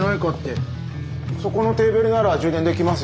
そこのテーブルなら充電できます